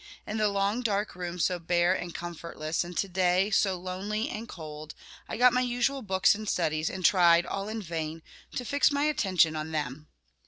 In the long dark room so bare and comfortless, and, to day, so lonely and cold, I got my usual books and studies, and tried, all in vain, to fix my attention on them.